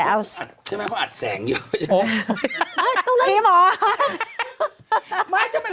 เพราะเขาอัดแสงแย่แล้วนี่หมอ